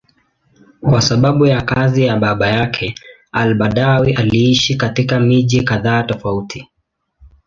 Kwa sababu ya kazi ya baba yake, al-Badawi aliishi katika miji kadhaa tofauti.